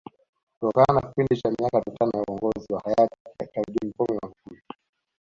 Kutokana na kipindi cha miaka mitano ya Uongozi wa Hayati Daktari John Pombe Magufuli